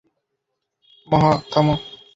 মহা, থামো!